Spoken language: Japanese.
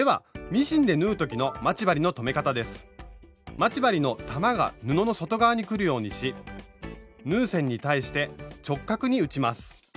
待ち針の玉が布の外側にくるようにし縫う線に対して直角に打ちます。